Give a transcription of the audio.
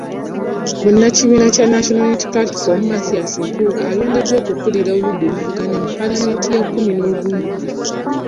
Munnakibiina kya National Unity Platform, Mathias Mpuuga alondeddwa okukulira oludda oluvuganya mu Paalamenti ey’ekkumi n'ogumu.